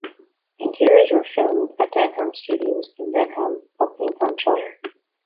Interiors were filmed at Denham Studios, in Denham, Buckinghamshire.